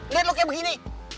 lihat lo kayak begini